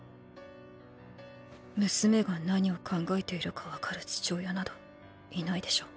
娘が何を考えているかわかる父親などいないでしょう。